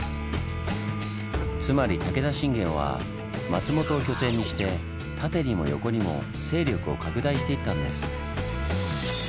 つまり武田信玄は松本を拠点にして縦にも横にも勢力を拡大していったんです。